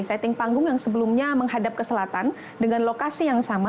setting panggung yang sebelumnya menghadap ke selatan dengan lokasi yang sama